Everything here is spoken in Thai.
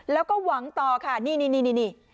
แล้วก็หวังต่อค่ะนี่